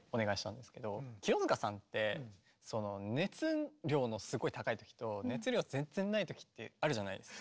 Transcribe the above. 清塚さんって熱量のすごい高いときと熱量全然ないときってあるじゃないですか。